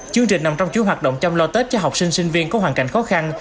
chương trình nằm trong chú hoạt động chăm lo tết cho học sinh sinh viên có hoàn cảnh khó khăn